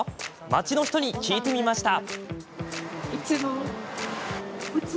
町の人に聞いてみました。